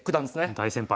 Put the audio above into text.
大先輩。